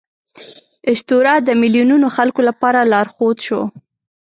اسطوره د میلیونونو خلکو لپاره لارښود شو.